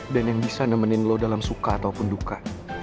dan yang bisa nemenin lo dalam suka ataupun duka